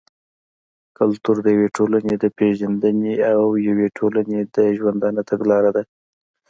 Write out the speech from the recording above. کلتور د يوې ټولني د پېژندني او د يوې ټولني د ژوندانه تګلاره ده.